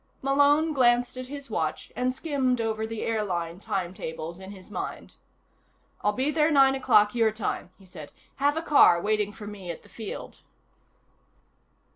Malone glanced at his watch and skimmed over the airline timetables in his mind. "I'll be there nine o'clock, your time," he said. "Have a car waiting for me at the field."